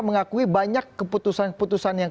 mengakui banyak keputusan keputusan yang